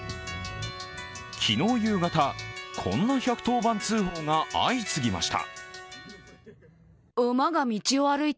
昨日夕方、こんな１１０番通報が相次ぎました。